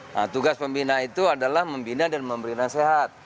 nah tugas pembina itu adalah membina dan memberi nasihat